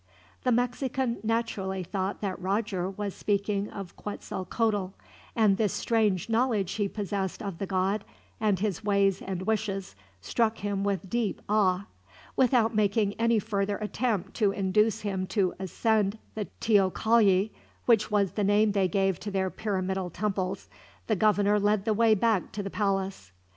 The Mexican naturally thought that Roger was speaking of Quetzalcoatl, and this strange knowledge he possessed of the god, and his ways and wishes, struck him with deep awe. Without making any further attempt to induce him to ascend the teocalli, which was the name they gave to their pyramidal temples, the governor led the way back to the palace.